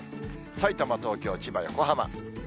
さいたま、東京、千葉、横浜。